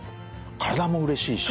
体もうれしいし。